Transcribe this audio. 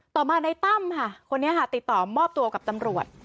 ต่อมาในตั้มค่ะคนนี้ค่ะติดต่อมอบตัวกับตำรวจ